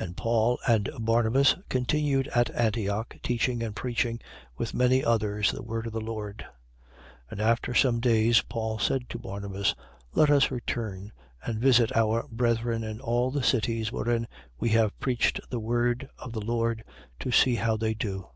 15:35. And Paul and Barnabas continued at Antioch, teaching and preaching, with many others, the word of the Lord. 15:36. And after some days, Paul said to Barnabas: Let us return and visit our brethren in all the cities wherein we have preached the word of the Lord, to see how they do.